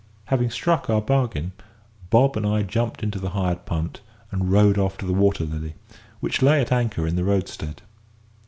Having struck our bargain, Bob and I jumped into the hired punt, and rowed off to the Water Lily, which lay at anchor in the roadstead.